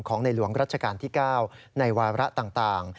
ของในหลวงราชการที่เก้าในวาระต่าง